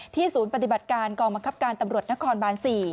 ศูนย์ปฏิบัติการกองบังคับการตำรวจนครบาน๔